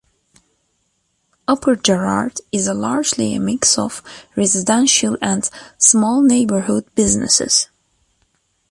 Upper Gerrard is largely a mix of residential and small neighbourhood businesses.